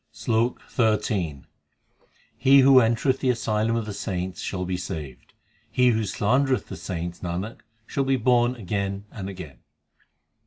SLOK XIII He who entereth the asylum of the saints shall be saved ; He who slandereth the saints, Nanak, shall be born again and again.